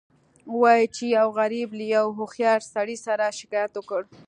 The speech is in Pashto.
وایي چې یو غریب له یو هوښیار سړي سره شکایت وکړ.